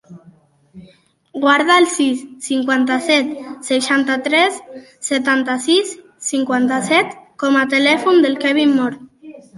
Guarda el sis, cinquanta-set, seixanta-tres, setanta-sis, cinquanta-set com a telèfon del Kevin Moore.